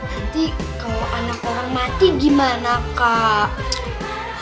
nanti kalau anak orang mati gimana kak